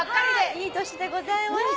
いい年でございました。